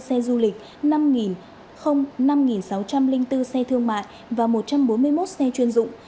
một trăm hai mươi bốn xe du lịch năm năm sáu trăm linh bốn xe thương mại và một trăm bốn mươi một xe chuyên dụng